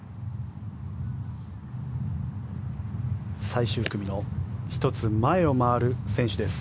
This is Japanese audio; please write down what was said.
最終組の１つ前を回る選手です。